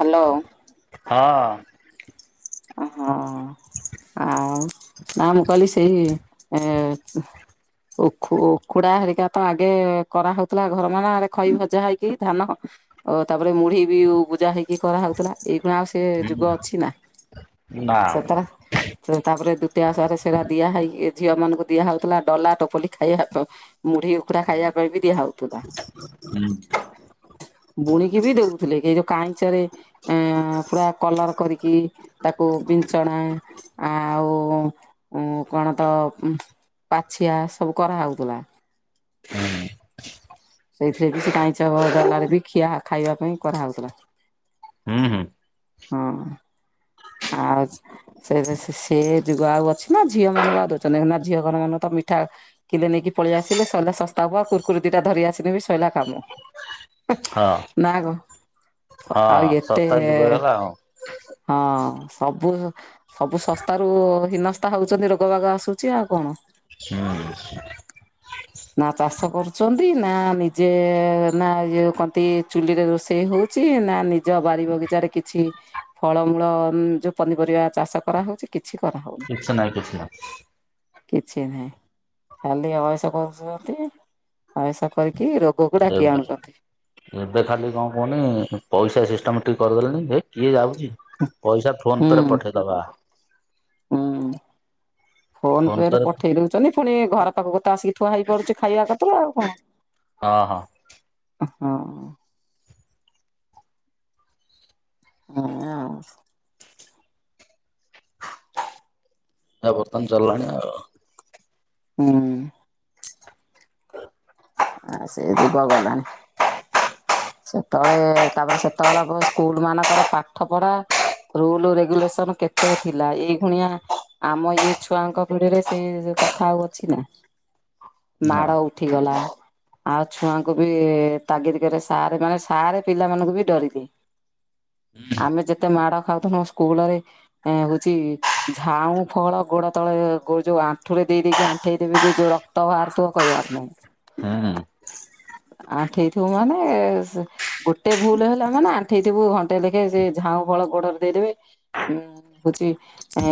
Hello.. ହଁ‌।। ଆ‌ ହଁ।। ଆଉ ନା ମୁଁ କଇଲି ସେଇ ଏ ଉଖୁ‌ ଉଖୁଡା ହେରିକା ପା ଆଗେ କରାହଉଥିଲା ଘର ଖଇ ଭଜା ଭଜା ହେଇକି ଧାନ ଓ ତାପରେ ମୁଢି ବି ଊବୁଜା ହେଇକି କରାହଉଥିଲା ଏଇଗୁଣା ଆଉ ସେ ଯୁଗ ଅଛି ନା‌। ନା [unintelligible] ସେ ତାପରେ ଦ୍ୱିତୀୟା ଆସରେ ସେରା ଦିଆ ହେଇକି ଝିଅମାନଙ୍କୁ ଦିଆ ହଉଥିଲା ଡଲା, ଟୋପଲି [unintelligible] ମୁଢି, ଉଖୁରା ଖାଇବା ପାଇଁ ବିି ଦିଆ ହଉଥିଲା। ହୁଁ ବୁଣିକି ବି ଦଉଥିଲେ ଏଇ ଯୋଉ କାହିଁଚରେ ଏଁ ପୁରା କଲର କରିକି ତାକୁ ବିଞ୍ଚଣା ଆଉ କଣ ତ ଉମ୍ ପାଛିଆ ସବୁ କରାହଉଥିଲା। ହୁଁ ସେଇଥିରେ ବି ସେ କାଇଁଚ ଡଲାରେ ବି ଖିଆ ଖାଇବା ପାଇଁ କରାହଉଥିଲା। ହୁଁ ହୁଁ।। ହଁ [unintelligible] ସେ ସେ ଯୁଗ ଆଉ ଅଛି ମା ଝିଅ ମାନଙ୍କୁ ଆଉ ଦଉଛନ୍ତି ନା ଝିଅ ଘର ମାନଙ୍କୁ ତ ମିଠା କିଲେ ନେଇକି ପଳେଇ ଆସିଲେ ସଇଲା ଶସ୍ତା ହବ ଆଉ କୁରକୁରିଟା ଧରି ଆସିଲେ ବି ସଇଲା କାମ। ହଁ।। ନା କଣ ହଁ ଆଉ ଏତେ? ଶସ୍ତା ଯୁଗ ହେଇଗଲା ଆଉ। ହଁ ସବୁ ମୁଁ ସବୁ ଶସ୍ତାରୁ ହୀନସ୍ତା ହଉଛନ୍ତି ରୋଗ ବାଗ ଆସୁଛି ଆଉ କଣ? [unintelligible] ନା ଚାଷ କରୁଛନ୍ତି ନା ନିଜେ ନା ଇ କନ୍ତି ଚୁଲିରେ ରୋଷେଇ ହଉଛି ନା ନିଜ ବାରି ବଗିଚାରେରେ କିଛି ଫଳମୂଳ ଯୋଉ ପନିପରିବା ଚାଷ କରାହେଉଛି। କିଛି କରାହେଉନି। କିଛି ନାହିଁ କିଛି ନାହିଁ କିଛି ନାହିଁ ଖାଲି ଅଏସ କରୁଛନ୍ତି ଅଏସ କରିକି ରୋ ରୋଗକୁ ଡାକି ଏବେ ଆଣୁଛନ୍ତି। ଏବେ ଖାଲି କଣ କୁହନି ପଇସା ସିଷ୍ଟମ୍ ଠିକ୍ କରିଦେଲେଣିି କିଏ ଯାଉଛି। ପଇସା ଫୋନ ହୁଁ ପେରେ ପଠେଇଦବା। ହୁଁ। ଫୋନ ପେରେ ପଠେଇ ଦଉଛନ୍ତି ପୁଣି ଘର ପାଖକୁ ତ ଆସିକି ଥୁଆ ହେଇପାରୁଛି ଖାଇବାପତ୍ର ଆଉ କଣ? ହଁ ହଁ। ଅ ହଁ। [unintelligible] ଆ ବର୍ତ୍ତମାନ ଚାଲିଲାଣି ଆଉ। ହୁଁ। [inaudible] ଆ ସେ ଯୁଗ ଗଲାଣି। ସେତେବେଳେ ତାପରେ ସେତେବେଳେ ସ୍କୁଲମାନଙ୍କର ପାଠ ପଢା। ରୁଲ ରେଗୁଲେସନ କେତେ ଥିଲା ଏଇ ଖୁଣିଆ ଆମ ଇଏ ଛୁଆଙ୍କ ପିଢିରେ ସେଇ କଥା ଆଉ ଅଛି ନା। ନା ମାଡ଼ ଉଠିଗଲା। ଆଉ ଛୁଆଙ୍କୁ ବି ତାଗିରି କରେ ସାରେ ମାନେ ସାରେ ପିଲାମାନଙ୍କୁ ବି ଡରିଲେ। ଆମେ ଯେତେ ମାଡ ଖାଉଥିଲୁ ସ୍କୁଲରେ, ହଉଚି ଝାଉଁ ଫଳ ଗୋଡ ତଳେ ଯୋଉ ଆଣ୍ଠୁରେ ଦେଇଦେଇକି ଆଣ୍ଠେଇ ଦେବେ ଯେ, ଯୋଉ ରକ୍ତ ବାହାରୁଥିବ, କହିବାର ନାହିଁ। ହୁଁ ହୁଁ। ଆଣ୍ଠେଇ ଥିବୁ ମାନେ ସେ ଗୋଟେ ଭୁଲ ହେଲା ମାନେ, ଆଣ୍ଠେଇଥିବୁ ଘଣ୍ଟେ ଲେଖେ, ସେ ଝାଉଁ ଫଳ ଗୋଡରେ ଦେଇଦେବେ, ଉଁ ହଉଚି ଏ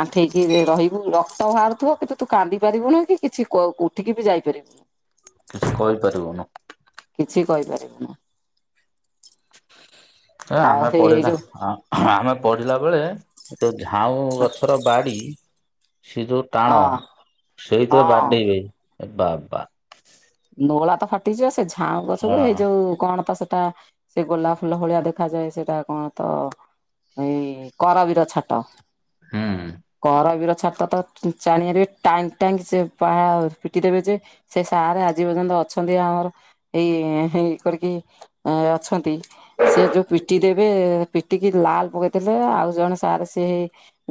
ଆଣ୍ଠେଇକି ରହିବୁ, ରକ୍ତ ବାହାରୁଥିବ କିନ୍ତୁ ତୁ କାନ୍ଦି ପାରିବୁନୁ କିଛି କ ଉଠିକିବି ଯାଇପାରିବୁ। କିଛି କହିପାରିବୁନୁ। କିଛି କହିପାରିବୁନୁ। ଏ ଆଉ ଆମେ ସେଇ ଏଇ ପଢିଲା, ଯୋଉ ଆମେ ପଢିଲା ବେଳେ ଯୋଉ ଝାଉଁ ଗଛର ବାଡି ସେ ଯୋଉ ଟାଣ, ହଁ ସେଇଥିରେ ହଁ ବାଡେଇବେ ବାବା। ନୋଳା ତ ଫାଟିଯିବ, ସେ ଝାଉଁ ଗଛକୁ ହେଇ ହଁ। ଯୋଉ କଣ ତ ସେଟା ସେ ଗୋଲାପ ଫୁଲ ଭଳିଆ ଦେଖାଯାଏ, ସେଇଟା କଣ ତ, ଏଇ କରବିର ଛାଟ। ହୁଁ କରବୀର ଛାଟ ତ ପିଚାନିଆରେ ଟାଇଁ ଟାଇଁ ସେ ପା ପିଟି ଦେବେ ଯେ, ସେ ସାରେ ଆ ଆଜି ପର୍ଯ୍ୟନ୍ତ ଅଛନ୍ତି ଆମର, ଏଇ ଇଏ କରିକି। ଅଛନ୍ତି, ସେ ଯୋଉ ପିଟି ଦେ ଏବେ ପିଟିକି ଲାଲ ପକେଇଥିଲେ, ଆଉ ଜଣେ ସାର୍ ସିଏ ହେଇ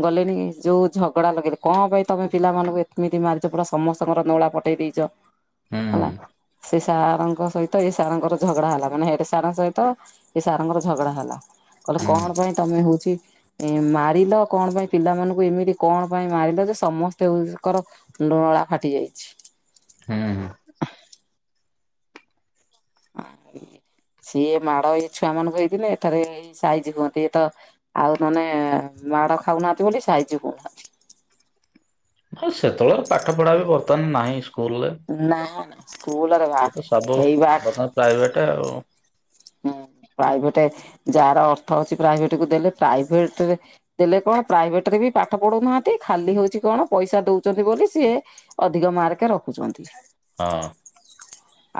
ଗଲେଣି, ଯୋଉ ଝଗଡ଼ା ଲଗେଇଲେ, କଣ ପାଇଁ ତମେ ପିଲାମାନଙ୍କୁ ଏମିତି ମାରିଚ, ପୁରା ସମସ୍ତଙ୍କର ନୋଳା ପଠେଇ ଦେଇଚ। ହୁଁ ହେଲା, ସେ ସାରଙ୍କ ସହିତ, ଏ ସାରଙ୍କର ଝଗଡ଼ା ହେଲା, ମାନେ ହେଡ୍ ସାରଙ୍କ ସହିତ ଏ ସାର ଙ୍କର ଝଗଡ଼ା ହେଲା। କଇଲେ ହୁଁ କଣ ପାଇଁ ତମେ ହଉଚି ଏ ମାରିଲ, କଣ ପାଇଁ ପିଲାମାନଙ୍କୁ ଏମିତି କଣ ପାଇଁ ମାରିଲ ଯେ ସମସ୍ତେଙ୍କର ନୋଳା ଫାଟି ଯାଇଛି। ହୁଁ ହୁଁ। [unintelligible] ଆ ସିଏ ମାଡ଼ ଏଇ ଛୁଆ ମାନଙ୍କୁ ହେଇଥିଲେ, ଏଠାରେ ଏଇ ସାଇଜ ହୁଅନ୍ତେ, ଇଏ ତ ଆଉ ନହେନେ ମାଡ଼ ଖାଉନାହାନ୍ତି ବୋଲି, ସାଇଜି ହଉନାହାନ୍ତି। ହଁ ସେତେବେଳର ପାଠ ପଢ଼ା ବି ବର୍ତ୍ତମାନ ନାହିଁ ସ୍କୁଲ ରେ। ନା ସ୍କୁଲରେ ବା, ହେଇବା ପ୍ରାଇଭେଟ୍ ଆଉ। ହୁଁ, ପ୍ରାଇଭେଟ୍, ଯାହାର ଅର୍ଥ ଅଛି, ପ୍ରାଇଭେଟ କୁ ଦେଲେ, ପ୍ରାଇଭେଟରେ ଦେଲେ କଣ, ପ୍ରାଇଭେଟ ରେ ବି ପାଠ ପଢ଼ଉନାହାନ୍ତି, ଖାଲି ହଉଛି କଣ ପଇସା ଦଉଚନ୍ତି ବୋଲି ସିଏ ଅଧିକ ମାର୍କେ ରଖୁଚନ୍ତି। ହଁ।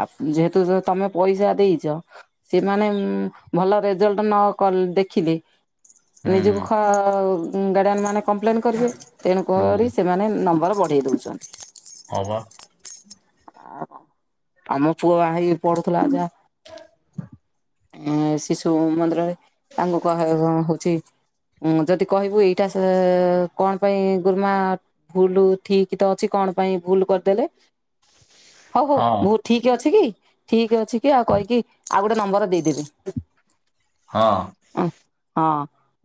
ଆ ଯେହେତୁ ତମେ ପଇସା ଦେଇଚ ସେମାନେ ଭଲ ରେଜଲ୍ଟ ନ କ ଦେଖିଲେ ନିଜକୁ ହୁଁ ଖ ଗାଡିଆନ୍ ମାନେ କମ୍ପ୍ଲେନ କରିବେ। ହୁଁ ତେଣୁକରି ସେମାନେ ନମ୍ବର ବଢ଼େଇ ଦଉଚନ୍ତି। ହଁ ପା। ଆ, ଆମ ପୁଅ ହେଇ ପଢୁଥିଲା ଯା ଏ ଶିଶୁ ମନ୍ଦିରରେ ତାଙ୍କୁ କ ହଉଚି ଉଁ, ଯଦି କହିବୁ, ଏଇଟା କଣ ପାଇଁ ଗୁରୁମା ଭୁଲ ଠିକ ତ ଅଛି, କଣ ପାଇଁ ଭୁଲ କରିଦେଲେ, ହଉ ହଉ ହଁ ଭୁ ଠିକ ଅଛି କି ଠିକ ଅଛି କି ଆଉ କହିକି ଆଉ ଗୋଟେ ନମ୍ବର ଦେଇଦେବି। ହଁ। ଓ ହଁ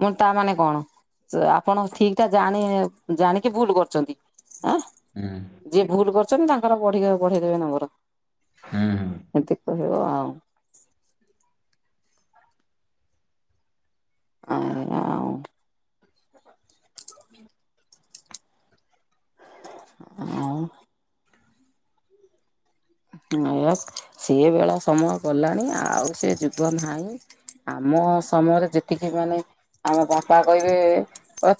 ମୁଁ ତା ମାନେ କଣ? ତ ଆପଣ ଠିକ ଟା ଜାଣି ଜାଣିକି ଭୁଲ କରୁଛନ୍ତି। ଆଁ ହୁଁ ଯିଏ ଭୁଲ କରଛନ୍ତି ତାଙ୍କର ବଢ଼ ବଢ଼େଇ ଦେବେ ନମ୍ବର। ହୁଁ। ଏମିତି କହିବ ଆଉ ଆ [unintelligible] ହଁ [unintelligible] ନାୟକ ସ ବେଳା ସମୟ ଗଲାଣି ଆଉ ସେ ଯୁଗ ନାହିଁ। ଆମ ସମୟରେ ଯେତିକି ମାନେ ଆମ ବାପା କହିବେ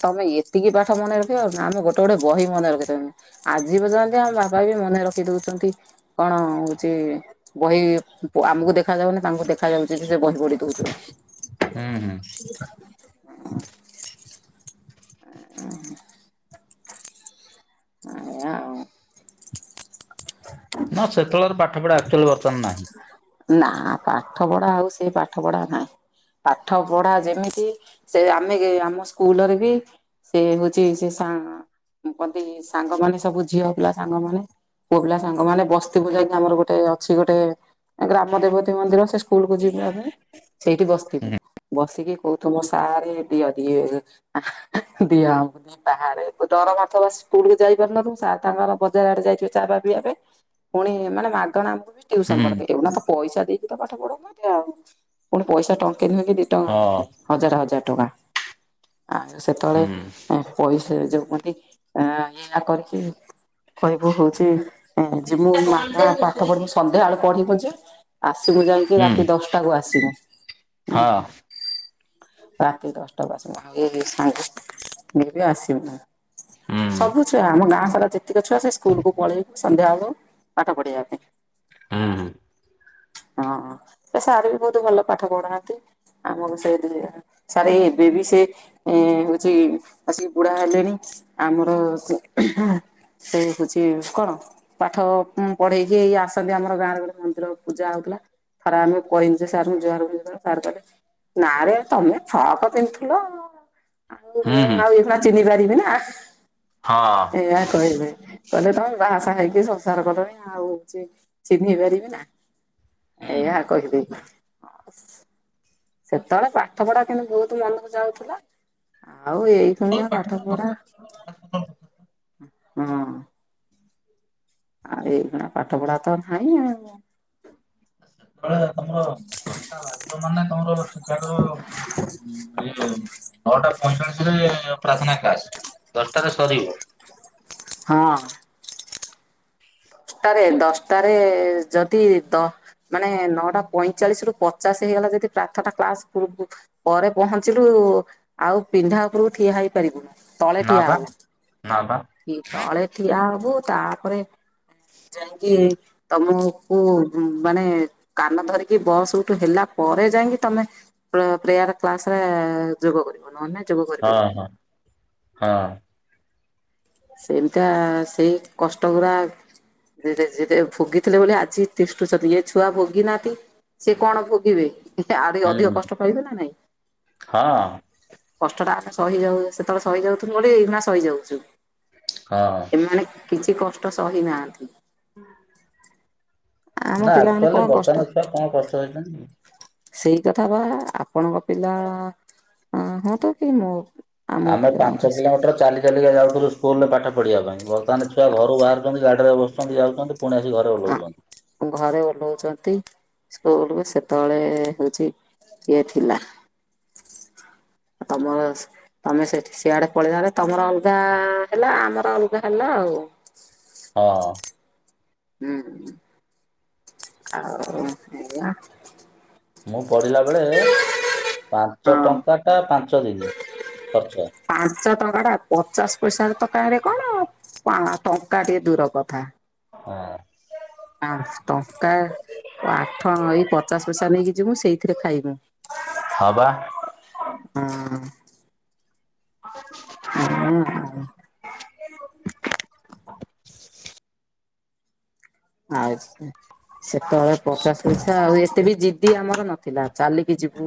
ତମେ ଏତିକି ପାଠ ମନେ ରଖିବ ଆଉ ଆମେ ଗୋଟେ ଗୋଟେ ବହି ମନେ ରଖିଦବୁଁ। ଆଜି ପର୍ଯ୍ୟନ୍ତି ଆମ ବାପା ବି ମନେ ରଖି ଦଉଛନ୍ତି। କଣ ହଉଛି ବହି ଆମକୁ ଦେଖା ଯାଉନି ତାଙ୍କୁ ଦେଖ ଖାଇ ଯାଉଛନ୍ତି ସେ ବହି ବଢ଼ି ଦେଉଛନ୍ତି। ହୁଁ ହୁଁ। ଆଇଁ ଆଉଁ। ନା ସେତବେଳର ପାଠ ପଢା ଆକ୍ଚୁଆଲି ବର୍ତ୍ତମାନ ନାହିଁ। ନା ପାଠ ପଢ଼ା ଆଉ ସେ ପାଠ ପଢ଼ା ନାହିଁ। ପାଠ ପଢ଼ା ଯେମିତି ସେ ଆମେ ଆମ ସ୍କୁଲରେ ବି। ସେ ହଉଛି ସେ ସା କତି ସାଙ୍ଗମାନେ ସବୁ ଝିଅ ପିଲା ସାଙ୍ଗମାନେ ପୁଅ ପିଲା ସାଙ୍ଗମାନେ ବସ୍ତିିବୁ ଯାଇଁ ଆମର ଗୋଟେ ଅଛି ଗୋଟେ ଗ୍ରାମ ଦେବତୀ ମନ୍ଦିର ସେ ସ୍କୁଲକୁୁ ଯିବୁ ଆମେ ସେଇଠି ବସିଥିବୁ। ହୁଁ ବସିକି କହୁଥୁ ସାରେ ଦିଅ ଦିଏ ଦିଅ ଆମକୁ ବାହାରେ ଡରମାଡ଼ୁ ଥିବ ସ୍କୁଲ କୁ ଯାଇପାରୁନୁ ଥିବୁ ସାର ତାଙ୍କର ବଜାର ଆଡେ ଯାଇଥିବ ଚା ଫା ପିଇବା ପାଇଁ। ପୁଣି ଏମାନେ ମାଗଣା ଅମକୁବି। ଟ୍ୟୁସନ ହୁଁ କରିପାରିବୁ ନା ତ ପଇସା ଦେଇକି ତ ପାଠ ପଢ ଉ ନାହିଁନ୍ତି। ଆଉ ପୁଣି ପଇସା ଟଙ୍କେ ନୁହେଁ କି ଦି ଟା ହଁ ନୁହେଁ ହଜାର ହଜାର ଟଙ୍କା ଆଉ ସେତେବେଳେ ହୁଁ ପଇସା ସେ ଯୋଉନ୍ତି ଆ ଇଆ କରିକି କହିବୁ ହଉଛି ଯେ ମୁଁ ମାଗଣା ପାଠ ପଢିବି ସନ୍ଧ୍ୟାବେଳୁ ପଢିବୁ ଯେ ଆସିବୁ ଯାଇକି ହୁଁ ରାତି ଦଶଟା କୁ ଆସିବୁ। ହଁ ରାତି ଦଶଟା ବାସିଲ ଏଇ ସାଙ୍ଗେ ଯିବି ଆସିବି ନା ହୁଁ [unintelligible] ସବୁଛୁଆ ଆମ ଗାଁ ସାରା ଯେ ତିକ ଛୁଆ ସେ ସ୍କୁଲକୁ ପଳେଇ ସନ୍ଧ୍ୟା ହବ ପାଠ ପଢିବା ପାଇଁ। ହୁଁ ହୁଁ। ହଁ ସେ ସାର୍ ବି ବହୁତ ଭଲ ପାଠ ପଢ଼ାନ୍ତି ଆମକୁ ସେଇ ଦୁଇ ସାରେ ଏବେ ବି ସେ ଏ ହଉଛି ଆସିକି ବୁଢା ହେଲେଣି ଆମର ସେ ଉହଁ ସେଇ ହଉଛି କଣ ପାଠ ପଢେଇକି ଏଇ ଆସନ୍ତି ଆମର ଗାଁରେ ଗ ମନ୍ଦିର ପୂଜା ହଉଥିଲା ଥରେ ଆମେ କହିନି ଯେ ସାର ଯୁହାର ସାର୍ କଲେ ନା ରେ ତମେ ଫ୍ରକ ପିନ୍ଧୁଥିଲ। ଆଉ ହୁଁ ମୁଁ ହୁଁ ଆଉ ଏବେ ଚିହ୍ନି ପାରିବି ନା ହଁ ଏଇଆ କହିବେ। କହିଲେ ତମେ ବାହା ସାହା ହେଇକି ସଂସାର କଲଣି ଆଉ ଚି ଚିହ୍ନି ପାରିବି ନା। ହୁଁ ଏଇଆ କହିଦି ହଁ। ସେତେବେଳେ ପାଠ ପଢା କିନ୍ତୁ ବହୁତ ମନକୁ ଯାଉଥିଲା। ଆଉ ଏଇ ଖଣିଆ ସେତେବେଳେ ପାଠ ପଢା ବର୍ତ୍ତମାନ ପାଠ ପଢା ହଁ। ଆଉ ଏଇ ଖଣିଆ ପାଠ ପଢା ତ ନାଇଁ ଆଉ। ଯେତେବେଳେ ତମର ଦଶଟା ବାଜିବ ମାନେ ତମର [unintelligible] ନ୍ ତାଙ୍କର ଇଏ ନଅଟା ପଇଁଚାଳିଶି ରେ ପ୍ରାର୍ଥନା କ୍ଲାସ ଦଶଟାରେ ସରିବ। ହଁ। ଦଶଟାରେ ଦଶଟାରେ ଯଦି ଦ ମାନେ ନଅଟା ପଇଁଚାଳିଶି ରୁ ପଚାଶ ହେଇଗଲା ଯଦି ପ୍ରାଥନା କ୍ଲାସ ପୁର୍ବୁ ପରେ ପହଞ୍ଚିଲୁ ଆଉ ପିଣ୍ଡା ଉପରୁକୁ ଠିଆ ହେଇ ପାରିବୁନୁ ତଳେ ନା ଠିଆ ବା ହବୁ ନା ବା। ତଳେ ଠିଆ ହବୁ ତାପରେ ଯାଇଁକି ତମକୁ ମାନେ କାନ ଧରିକି ବସ୍ ଉଠୁ ହେଲା ପରେ ଯାଇକି ତମେ ପ୍ରେୟାର କ୍ଲାସ ରେ ଯୋଗ କରିବ ନହେଲେ ନାହିଁ। ହଁ ହଁ ହଁ। ସେମିତି ଆ ସେଇ କଷ୍ଟ ଗୁରା ଧୀରେ ଧୀରେ ଭୋଗିଥିଲେ ବୋଲି ଆଜି ତିଷ୍ଠୁଛନ୍ତି ଏ ଛୁଆ ଭୋଗି ନାହାନ୍ତି ସେ କଣ ଭୋଗିବେ ଆରି ହୁଁ ଅଧିକ କଷ୍ଟ ପାଇବେ ନା ନାଇଁ। ହଁ କଷ୍ଟଟା ଆମେ ସହିଯାଉ ସେତେବେଳେ ସହିଯାଉଥୁଲୁ ବୋଲି ଏଇ ଭଳିଆ ସହିଯାଉଚୁ। ହଁ। ମାନେ କିଛି କଷ୍ଟ ସହି ନାହାନ୍ତି। ହଁ। ଆମ ନା ପିଲାମାନେ ଆକ୍ଚୁଆଲ କଣ କଷ୍ଟ ବର୍ତ୍ତମାନଛୁଆ କଣ କଷ୍ଟ ସହୁଛନ୍ତିକି? ସେଇ କଥା ବା ଆପଣଙ୍କ ପିଲା ହୁଅନ୍ତୁ କି ମୋ ଆମ ଆମେ ପିଲା ହୁଅନ୍ତୁ ପାଞ୍ଚ କିଲୋମିଟର ଚାଲି ଚାଲି ଚାଲିକା ଯାଉଥିଲୁ ସ୍କୁଲୁରେ ପାଠ ପଢ଼ିବା ପାଇଁ ବର୍ତ୍ତମାନେ ଛୁଆ ଘରୁ ବାହାରୁଚନ୍ତି ଗାଡ଼ିରେ ବସୁଛନ୍ତି ଯାଉଛନ୍ତି। ପୁଣି ଆସିି ଘରେ ଆଁ ଓହ୍ଲଉଚନ୍ତି। ଘରେ ଓହ୍ଲୋଉଛନ୍ତି ସ୍କୁଲୁରୁ ସେତେବେଳେ ହଉଛି ଇଏ ଥିଲା। ଆମରସ ତମେ ସେଠି ସିଆଡେ ପଳେଇଲ ମାନେ ତମର ଅଲଗା ହେଲା ଆମର ଅଲଗା ହେଲା ଆଉ। ହଁ। ହୁଁ ଆଉ ଏଇଆ। ମୁଁ ପଢିଲା ବେଳେ ପାଞ୍ଚ ହଁ। ଟଙ୍କା ଟା ପାଞ୍ଚ ଦିନି ଖର୍ଚ୍ଚ। ପାଞ୍ଚ ଟଙ୍କା ଟା ପଚାଶ ପଇସା ରେ ତ କାଇଁରେ କଣ ପା ଟଙ୍କା ଟିଏ ଦୂର କଥା। ହଁ। ଆନସ ଟଙ୍କା ଓ ଆଠ ପଚାଶ ପଇସା ନେଇକି ଯିବୁ ସେଇଥିରେ ଖାଇବୁ। ହଁବା। ଉଁ। ଆପ [unintelligible] ଆରେଆ ହ [unintelligible] ଆଉ ସେତେବେଳେ ପଚାଶ ପଇସା ଆଉ ଏତେ ବି ଜିଦି ଆମର ନଥିଲା ଚାଲିକି ଯିବୁ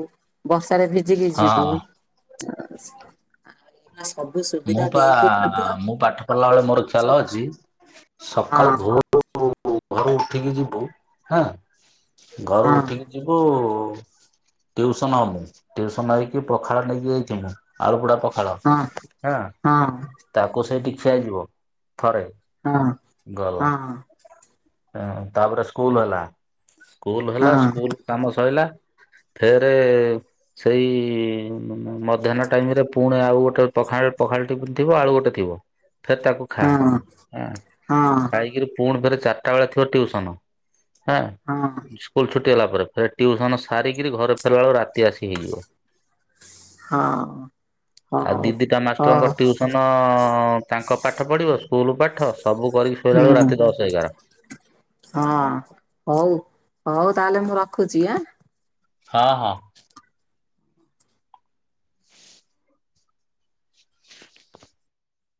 ବର୍ଷାରେ ଭିଜିକି ଯିବୁ। ହଁ ହ ମୁଁ ପା ମୁଁ ପାଠ ପଢିଲା ବେଳେ ମୋର ଚାଲ ଅଛି ସକାଳୁ ହଁ ଭୋ ଭୋରୁ ଘରୁ ଉଠିକି ଯିବୁ ହାଁ ଘରୁ ହଁ। ଉଠିକି ଯିବୁ ଟିଉସନ ହେବ ଟିଉସନ୍ ହେଇକି ପଖାଳ ନେଇକି ଯାଇଥିମୁ ଆଳୁ ପୁଡ଼ା ପଖାଳ। ହଁ ହଁ ତାକୁ ସେଇଠି ଖିଆଯିବ ଥରେ ହଁ ଗଲା ହଁ ତାପରେ ସ୍କୁଲ ହେଲା, ସ୍କୁଲ ହଁ ହେଲା ସ୍କୁଲ କାମ ସରିଲା। ଫେରେ ସେଇ ମଧ୍ୟାହ୍ନ ଟାଇମ ରେ ପୁଣି ଆଉ ଗୋଟେ ପଖାଳ ପଖାଳଟି ଥିବ ଆଳୁ ଗୋଟେ ଥିବ। ଫେର ତାକୁ ଖା ହଁ ହଁ। ହଁ ଖାଇକିରି ପୁଣି ଫେରେ ଚାରିଟା ବେଳେ ଥିବ ଟିଉସନ। ହଁ ସ୍କୁଲ ଛୁଟି ହେଲା ପରେ ଫେର ଟିଉସନ ସାରିକିରି ଘରେ ଫେରିବା ବେଳକୁ ରାତି ଆସିକି ତି ହେଇଯିବ। [unintelligible] ହଁ [unintelligible] ଆଉ ଦିଦିଟା ହ ମାଷ୍ଟରଙ୍କ ଟିଉସନ ତାଙ୍କ ପାଠ ପଢ଼ିବ, ସ୍କୁଲ ପାଠ ସବୁ କରିକି ଶୋଇଲା ବେଳକୁ ହୁଁ ରାତି ଦଶ ଏଗାର। ହଁ ହଉ ହଉ ତାହେଲେ ମୁଁ ରଖୁଛି ଆଁ। ହଁ ହଁ